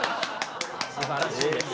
すばらしいです。